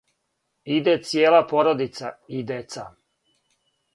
"Иде цијела породица, и дјеца."